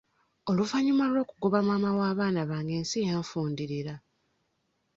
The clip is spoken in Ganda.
Oluvannyuma lw'okugoba maama w'abaana bange ensi yanfundirira.